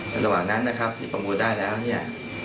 ระหว่างนั้นนะครับที่ประมูลได้แล้วเนี่ย